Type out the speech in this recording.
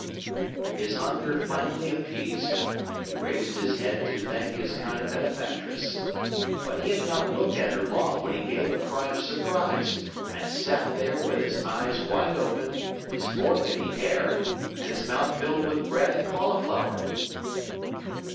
His hunger finally appeased, he raised his head to thank his kind benefactress. But he had not looked at her long when he gave a cry of surprise and sat there with his eyes wide open, his fork in the air, and his mouth filled with bread and cauliflower.